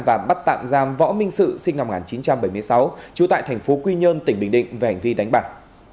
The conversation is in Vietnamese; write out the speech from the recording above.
và bắt tạm giam võ minh sự sinh năm một nghìn chín trăm bảy mươi sáu trú tại thành phố quy nhơn tỉnh bình định về hành vi đánh bạc